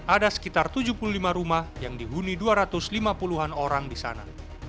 ada sekitar tujuh puluh lima rumah yang dihuni dua ratus lima puluh an orang di sana